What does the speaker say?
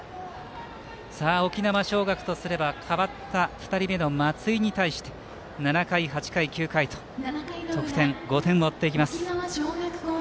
沖縄尚学とすれば代わった松井に対して７回、８回、９回と得点、５点を追っていきます。